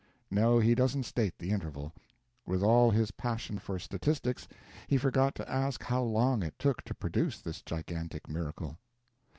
No, he doesn't state the interval. With all his passion for statistics he forgot to ask how long it took to produce this gigantic miracle.